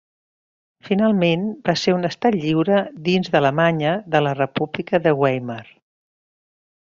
Finalment va ser un Estat lliure dins de l'Alemanya de la República de Weimar.